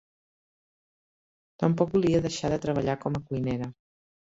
Tampoc volia deixar de treballar com a cuinera.